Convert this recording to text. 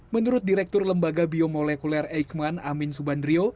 menurut direktur lembaga biomolekuler eikman amin subandrio